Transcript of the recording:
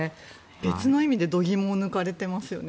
別の意味で度肝を抜かれてますよね